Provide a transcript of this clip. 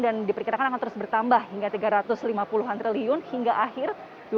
dan diperkirakan akan terus bertambah hingga tiga ratus lima puluh triliun hingga akhir dua ribu dua puluh satu